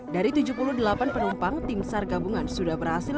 dari tujuh puluh delapan penumpang tim sar gabungan sudah berhasil